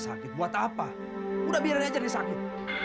sakit buat apa udah biarin aja nih sakit